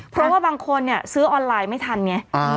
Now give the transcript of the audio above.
เพราะว่าบางคนเนี่ยซื้อออนไลน์ไม่ทันไง